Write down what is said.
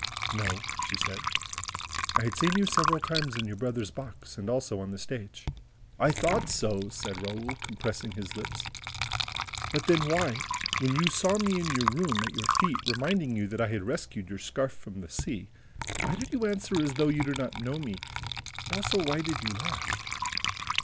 "No," she said, "I had seen you several times in your brother's box. And also on the stage." "I thought so!" said Raoul, compressing his lips. "But then why, when you saw me in your room, at your feet, reminding you that I had rescued your scarf from the sea, why did you answer as though you did not know me and also why did you laugh?"